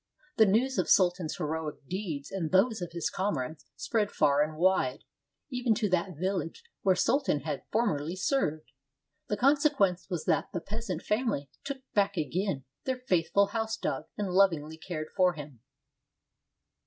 The news of Sultan's heroic deeds and those of his comrades spread far and wide, even to that village where Sultan had formerly served. The consequence was that the peasant family took back again their faithful house dog and lovingly cared for him.